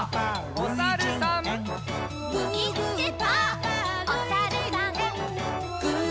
おさるさん。